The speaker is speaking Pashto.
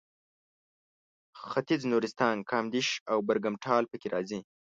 ختیځ نورستان کامدېش او برګمټال پکې راځي.